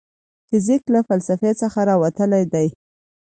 فزیک له فلسفې څخه راوتلی دی.